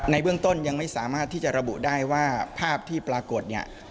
เบื้องต้นยังไม่สามารถที่จะระบุได้ว่าภาพที่ปรากฏเนี่ย